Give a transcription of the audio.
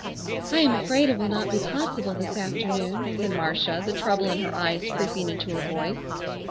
"I am afraid it will not be possible this afternoon," said Marcia, the trouble in her eyes creeping into her voice.